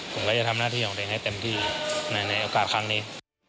ผมก็จะทำหน้าที่ของตัวเองให้เต็มที่ในโอกาสครั้งนี้